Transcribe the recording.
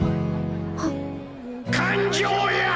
感情や！！